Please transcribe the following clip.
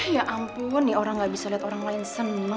ya ampun nih orang gak bisa liat orang lain seneng apa ya